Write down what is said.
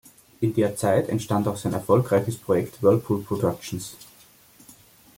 In der Zeit entstand auch sein erfolgreiches Projekt Whirlpool Productions.